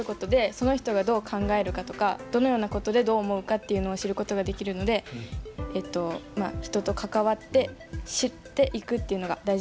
その人がどう考えるかとかどのようなことでどう思うかっていうのを知ることができるので人と関わって知っていくっていうのが大事だと思います。